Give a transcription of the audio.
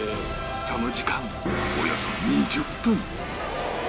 その時間およそ２０分